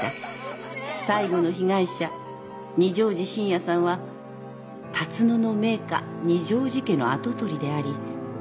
［最後の被害者二条路信也さんは龍野の名家二条路家の跡取りであり石原